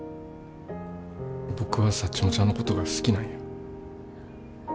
僕はサッチモちゃんのことが好きなんや。